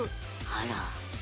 あら。